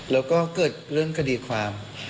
แล้วก็เกิดเรื่องคดีความ